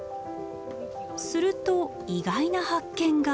すると意外な発見が。